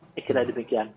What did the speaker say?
saya kira demikian